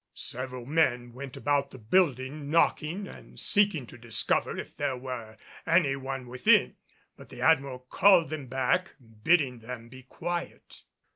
Several men went about the building, knocking and seeking to discover if there were any one within; but the Admiral called them back, bidding them be quiet.